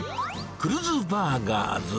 クルズバーガーズ。